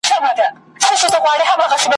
زلمي به خاندي په شالمار کي `